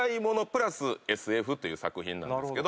という作品なんですけど。